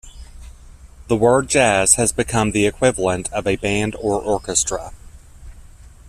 The word "jazz" has become the equivalent of band or orchestra.